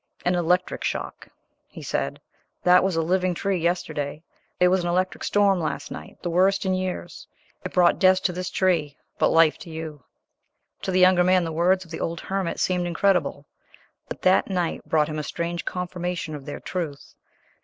"An electric shock!" he said; "that was a living tree yesterday. There was an electric storm last night, the worst in years; it brought death to the tree, but life to you." To the younger man the words of the old hermit seemed incredible, but that night brought him a strange confirmation of their truth.